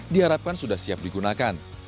diharapkan sudah siap digunakan